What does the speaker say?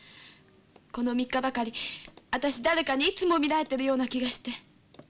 この３日ばかり私誰かにいつも見られてるような気がして。